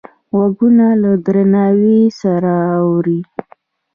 غوږونه له درناوي سره اوري